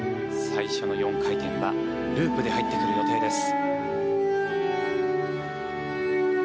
最初の４回転はループで入ってくる予定です。